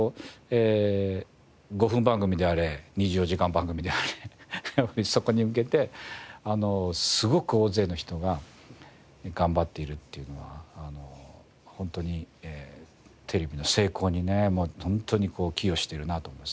５分番組であれ２４時間番組であれそこに向けてすごく大勢の人が頑張ってるっていうのはテレビの成功にね本当に寄与しているなと思いますね。